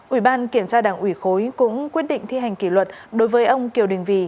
ủy ban kiểm tra đảng ủy khối cũng quyết định thi hành kỷ luật đối với ông kiều đình vì